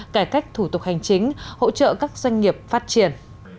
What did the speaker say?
cải cách thủ tục hành chính hỗ trợ các doanh nghiệp phát triển